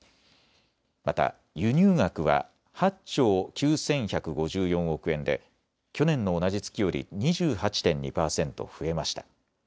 また輸入額は８兆９１５４億円で去年の同じ月より２８．２％増えました。